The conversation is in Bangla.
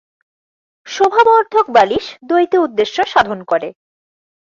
শোভাবর্ধক বালিশ দ্বৈত উদ্দেশ্য সাধন করে।